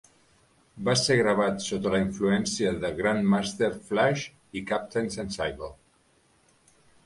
Va ser gravat sota la influència de Grandmaster Flash i Captain Sensible.